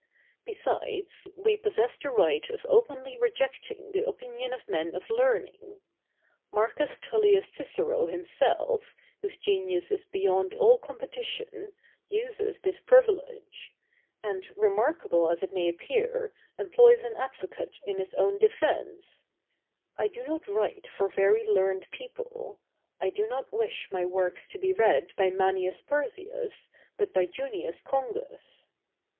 Besides, we possess the right of openly rejecting the opinion of men of learning. Marcus Tullius Cicero himself, whose genius is beyond all competition, uses this privilege; and, remarkable as it may appear, employs an advocate in his own defence:—"I do not write for very learned people; I do not wish my works to be read by Manius Persius, but by Junius Congus."